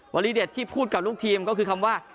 วันลิเทศที่พูดกับลูกทีมก็คือคำว่า